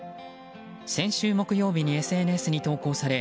先週木曜日にＳＮＳに投稿され